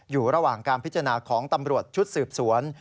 อยู่ระหว่างการพิจารณาของตำรวจชุดสืบสวน